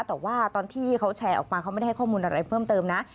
แต่ว่าตอนที่เขาแชร์ออกมาเขาไม่ได้ให้ข้อมูลอะไรเพิ่มเติมนะ